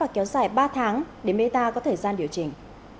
và kéo dài ba tháng để meta có thời gian điều chỉnh